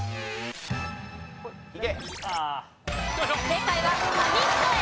正解は紙一重。